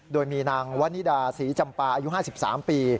โดยมีนางวันนิดาศรีจำปาอายุ๕๓ปี